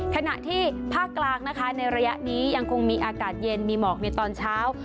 ขณะที่ภาคกลางนะคะในระยะนี้ยังคงมีอากาศเย็นมีหมอกในตอนเช้า